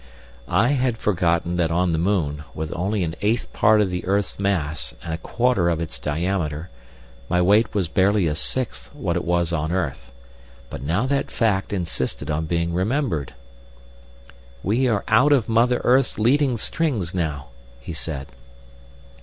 I had forgotten that on the moon, with only an eighth part of the earth's mass and a quarter of its diameter, my weight was barely a sixth what it was on earth. But now that fact insisted on being remembered. "We are out of Mother Earth's leading strings now," he said.